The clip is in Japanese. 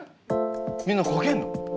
みんな書けんの？